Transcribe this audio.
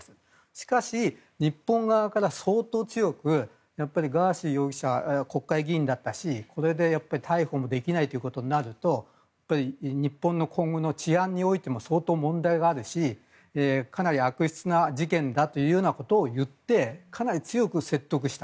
しかし、日本側から相当強くガーシー容疑者国会議員だったし逮捕もできないということになると日本の今後の治安においても相当問題があるしかなり悪質な事件だということを言ってかなり強く説得した。